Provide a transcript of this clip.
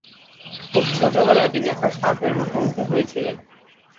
খুব ছোটবেলায় তিনি একটি সাপের মুখোমুখি হয়েছিলেন।